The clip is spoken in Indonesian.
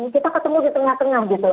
kita ketemu di tengah tengah gitu